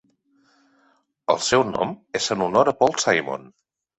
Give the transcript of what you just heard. El seu nom és en honor a Paul Simon.